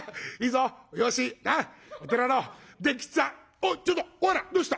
おっちょっとお花どうした？